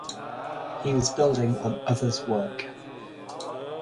He was building on others work.